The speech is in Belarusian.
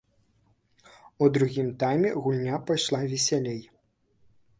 У другім тайме гульня пайшла весялей.